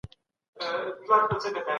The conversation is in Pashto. موږ باید د داسې ارزښتناکو اثارو ساتنه وکړو.